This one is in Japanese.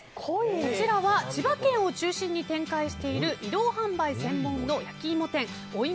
こちらは千葉県を中心に展開している移動販売専門の焼き芋店おい